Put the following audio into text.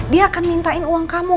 dia akan mintain uang kamu